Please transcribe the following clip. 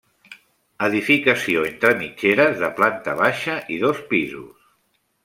Edificació entre mitgeres, de planta baixa i dos pisos.